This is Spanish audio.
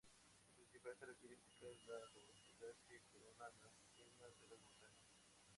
Su principal característica es la nubosidad que corona las cimas de las montañas.